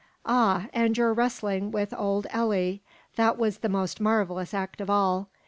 Ah, and your wrestling with old Elli! That was the most marvelous act of all.